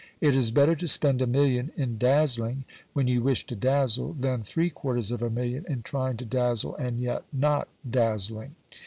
It is better to spend a million in dazzling when you wish to dazzle, than three quarters of a million in trying to dazzle and yet not dazzling."